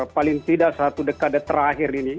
paling tidak satu dekade terakhir ini